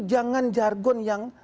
jangan jargon yang